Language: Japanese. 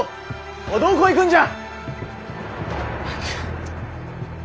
おいどこ行くんじゃ！